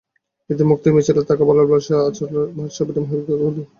ঈদে মুক্তির মিছিলে থাকা ভালোবাসা আজকাল ছবিটি মাহি অভিনীত ঈদের প্রথম ছবি।